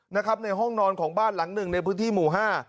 ในห้องนอนของบ้านหลังหนึ่งในพื้นที่หมู่๕